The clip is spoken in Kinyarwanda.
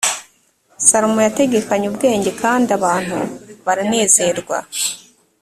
salomo yategekanye ubwenge kandi abantu baranezerwa